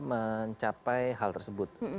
mencapai hal tersebut